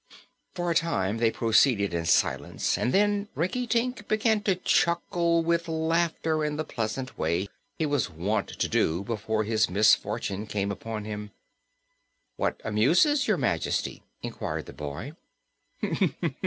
For a time they proceeded in silence and then Rinkitink began to chuckle with laughter in the pleasant way he was wont to do before his misfortunes came upon him. "What amuses Your Majesty?" inquired the boy.